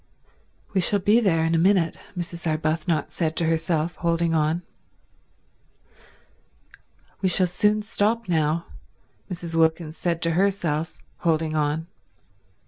"We shall be there in a minute," Mrs. Arbuthnot said to herself, holding on. "We shall soon stop now," Mrs. Wilkins said to herself, holding on.